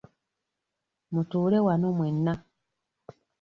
Mutuule wano mwenna.